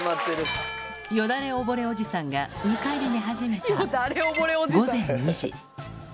よだれ溺れおじさんが、２階で寝始めた午前２時。